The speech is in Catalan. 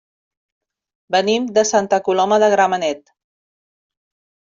Venim de Santa Coloma de Gramenet.